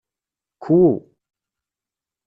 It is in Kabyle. Kwu.